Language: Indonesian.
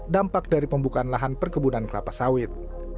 dampak dari pembukaan lahan perkebunan kelapa sawit